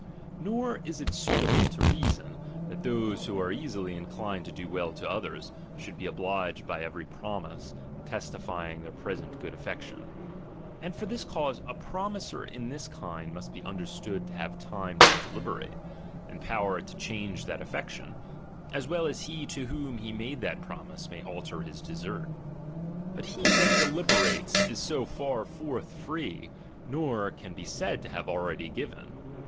Nor is it suitable to reason, that those who are easily iuclined to do well to others, should be obliged by every promise, testifying their present good affection. And for this cause, a promiser in this kind must be understood to have time to deliberate, and power to change that aflFection, as well as he to whom he made that promise, may alter his desert. But he that deli berates, is so far forth free, nor can be said to have already given.